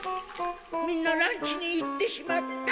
みんなランチに行ってしまった。